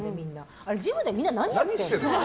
ジムでみんな何やってんの？